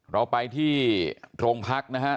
เราไปที่โรงพักนะฮะ